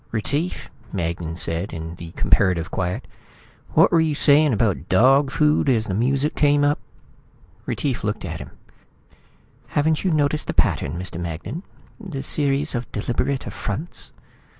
"Retief," Magnan said in the comparative quiet, "what were you saying about dog food as the music came up?" Retief looked at him. "Haven't you noticed the pattern, Mr. Magnan? The series of deliberate affronts?"